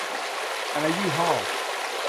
แต่ละยี่ห้อ